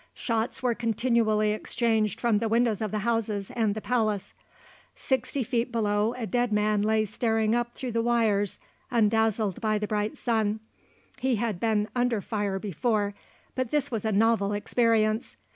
Shots were continually exchanged from the windows of the houses and the palace. Sixty feet below a dead man lay staring up through the wires undazzled by the bright sun. He had been under fire before, but this was a novel experience.